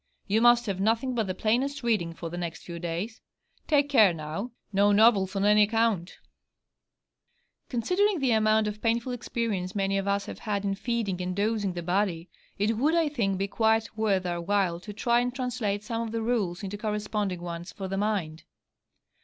You must have nothing but the plainest reading for the next few days. Take care now! No novels on any account!' Considering the amount of painful experience many of us have had in feeding and dosing the body, it would, I think, be quite worth our while to try and translate some of the rules into corresponding ones for the mind.